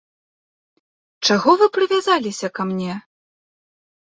Чаго вы прывязаліся ка мне?